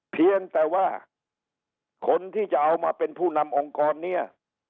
เพียงแต่ว่าคนที่จะเอามาเป็นผู้นำองค์กรเนี่ย